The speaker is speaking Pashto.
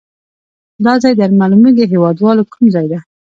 دا ځای در معلومیږي هیواد والو کوم ځای ده؟